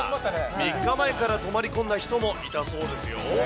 ３日前から泊まり込んんだ人もいたそうですよ。